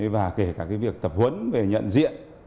và kể cả việc tập huấn về nhận diện